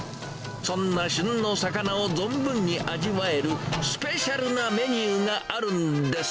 そんな旬の魚を存分に味わえるスペシャルなメニューがあるんです。